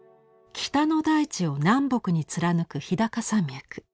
北の大地を南北に貫く日高山脈。